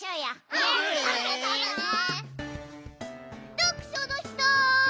どくしょのひと！